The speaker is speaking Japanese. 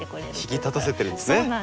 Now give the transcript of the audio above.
引き立たせてるんですね。